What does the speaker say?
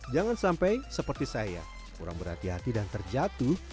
jangan sampai seperti saya kurang berhati hati dan terjatuh